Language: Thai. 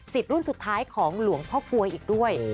รุ่นสุดท้ายของหลวงพ่อกลวยอีกด้วย